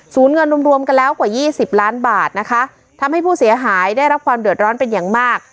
เงินรวมรวมกันแล้วกว่ายี่สิบล้านบาทนะคะทำให้ผู้เสียหายได้รับความเดือดร้อนเป็นอย่างมาก